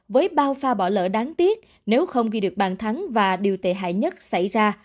với bao pha bỏ lỡ đáng tiếc nếu không ghi được bàn thắng và điều tệ hại nhất xảy ra